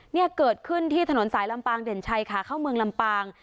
เนี่ยเกิดขึ้นที่ถนนสายลำปางเด่นชัยขาเข้าเมืองลำปาง